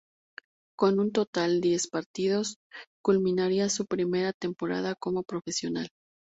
Con un total diez partidos, culminaría su primera temporada como profesional.